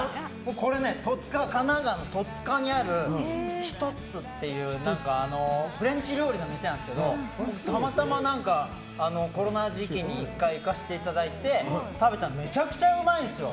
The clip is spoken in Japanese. これね、神奈川の戸塚にあるＨｉｔｏｔｓｕというフレンチ料理の店なんですがたまたまコロナ時期に１回、行かせていただいて食べたらめちゃくちゃうまいんですよ。